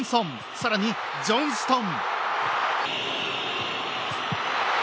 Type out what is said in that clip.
さらに、ジョンストン！